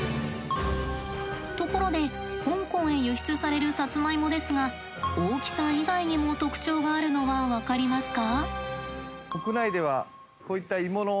ところで香港へ輸出されるさつまいもですが大きさ以外にも特徴があるのは分かりますか？